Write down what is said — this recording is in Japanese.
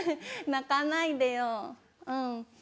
泣かないでようん。